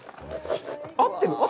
合ってる？